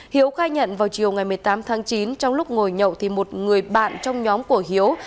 hiếu khai nhận vào chiều ngày một mươi tám tháng chín trong lúc ngồi nhậu thì một người bạn trong nhóm của hiếu